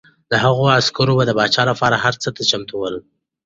د هغه عسکر به د پاچا لپاره هر څه ته چمتو ول.